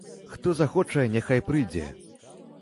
Хто захоча, няхай прыйдзе.